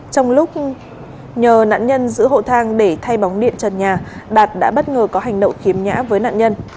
trong lúc nhờ nạn nhân giữ hộ thang để thay bóng điện trần nhà đạt đã bất ngờ có hành động khiếm nhã với nạn nhân